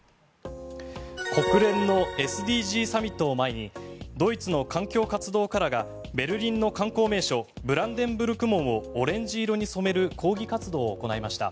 国連のＳＤＧサミットを前にドイツの環境活動家らがベルリンの観光名所ブランデンブルク門をオレンジ色に染める抗議活動を行いました。